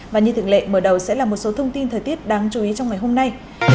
và như thường lệ mở đầu sẽ là một số thông tin thời tiết đáng chú ý trong ngày hôm nay